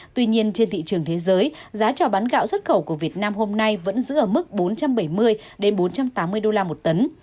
tuy nhiên trên thị trường thế giới giá trò bán gạo xuất khẩu của việt nam hôm nay vẫn giữ ở mức bốn trăm bảy mươi bốn trăm tám mươi đô la một tấn